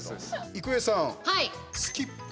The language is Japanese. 郁恵さん、スキップ。